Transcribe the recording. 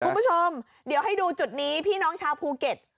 คุณผู้ชมเดี๋ยวให้ดูจุดนี้พี่น้องชาวภูเก็ต